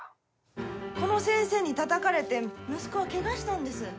「この先生にたたかれて息子はケガしたんです」